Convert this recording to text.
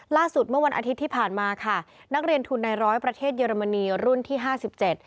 ล่าสุดเมื่อวันอาทิตย์ที่ผ่านมาค่ะนักเรียนทุนในร้อยประเทศเยอรมนีรุ่นที่ห้าสิบเจ็ด